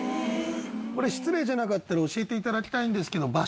これ失礼じゃなかったら教えていただきたいんですけど